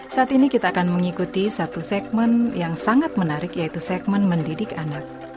saat ini kita akan mengikuti satu segmen yang sangat menarik yaitu segmen mendidik anak